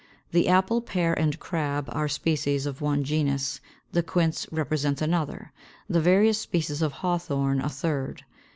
The Apple, Pear, and Crab are species of one genus, the Quince represents another, the various species of Hawthorn a third.